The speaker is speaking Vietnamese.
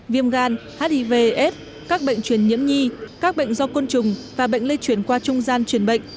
viêm gan hivs các bệnh truyền nhiễm nhi các bệnh do côn trùng và bệnh lây truyền qua trung gian truyền bệnh